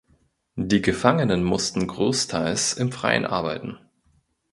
Die Gefangenen mussten großteils im Freien arbeiten.